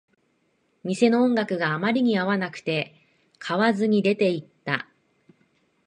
店の音楽があまりに合わなくて、買わずに出ていった